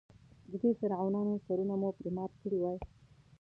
د دې فرعونانو سرونه مو پرې مات کړي وای.